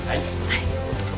はい。